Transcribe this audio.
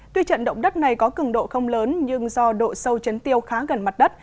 tuy trận động đất này có cường độ không lớn nhưng do độ sâu chấn tiêu khá gần mặt đất